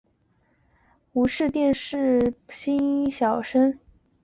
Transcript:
现时为无线电视力捧新晋小生之一。